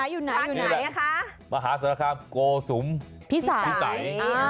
อยู่ไหนมหาสารคาโกสุมพิสัย